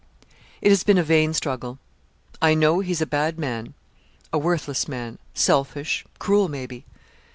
'It has been a vain struggle. I know he's a bad man, a worthless man selfish, cruel, maybe.